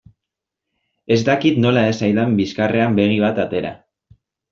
Ez dakit nola ez zaidan bizkarrean begi bat atera.